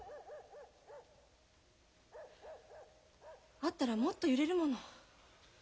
会ったらもっと揺れるもの。